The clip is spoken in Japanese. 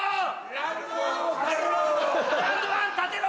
ラウンドワン建てろ！